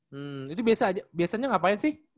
hmm itu biasanya ngapain sih